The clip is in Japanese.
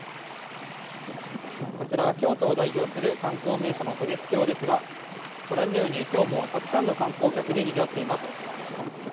こちら京都を代表する観光名所の渡月橋ですがご覧のように今日もたくさんの観光客でにぎわっています。